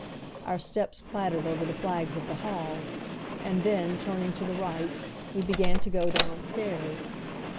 Our steps clattered over the flags of the hall, and then, turning to the right, we began to go down stairs.